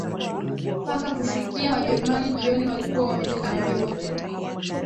Mpaka kufikia Wajerumani jioni walikuwa wameteka mji wote